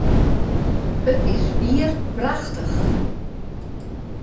It is wier prachtich!